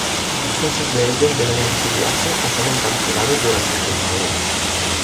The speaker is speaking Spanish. Muchos de ellos deben exiliarse o son encarcelados durante la Dictadura.